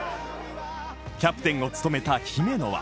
キャプテンを務めた姫野は